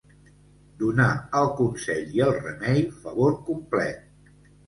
Donar el consell i el remei, favor complet.